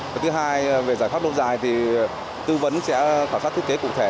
thứ hai về giải pháp lâu dài tư vấn sẽ khảo sát thức kế cụ thể